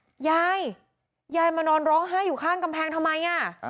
ยายยายมานอนร้องไห้อยู่ข้างกำแพงทำไมอ่ะ